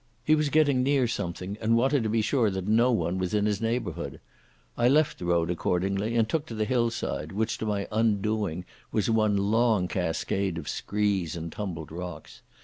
He was getting near something and wanted to be sure that no one was in his neighbourhood. I left the road accordingly, and took to the hillside, which to my undoing was one long cascade of screes and tumbled rocks.